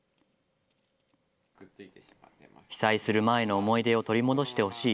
被災する前の思い出を取り戻してほしい。